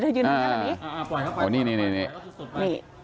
อ่าปล่อยเข้าไปปล่อยเข้าสุดสุดไป